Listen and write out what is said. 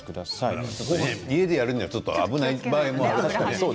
家でやるには危ない場合もありますよね。